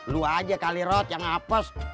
lu aja kali rat yang hapes